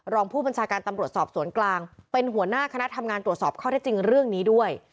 รองผู้บัญชาการตำรวจสอบสวนกลางเป็นหัวหน้าคณะทำงานตรวจสอบข้อเท็จจริงเรื่องนี้ด้วย